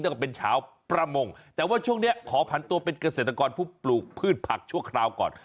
แล้วก็เป็นชาวประมงแต่ว่าช่วงนี้ขอผันตัวเป็นเกษตรกรผู้ปลูกพืชผักชั่วคราวก่อน